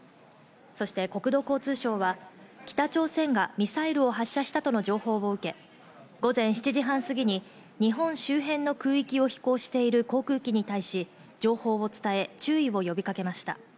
国土交通省は、北朝鮮がミサイルを発射したとの情報を受け、午前７時半過ぎに日本周辺の空域を飛行している航空機に対し、情報を伝え注意を呼びかけました。